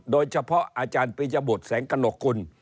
โดยเฉพาะอาจารย์ปียบุตรแสงกระโนกกุล